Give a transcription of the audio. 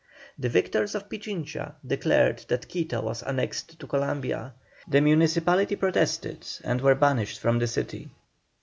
The victors of Pichincha declared that Quito was annexed to Columbia. The municipality protested, and were banished from the city.